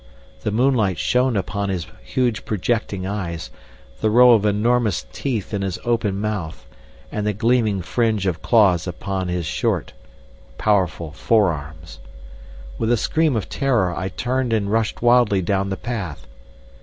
The moonlight shone upon his huge projecting eyes, the row of enormous teeth in his open mouth, and the gleaming fringe of claws upon his short, powerful forearms. With a scream of terror I turned and rushed wildly down the path.